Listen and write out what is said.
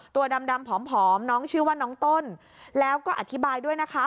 ตัวดำผอมน้องชื่อว่าน้องต้นแล้วก็อธิบายด้วยนะคะ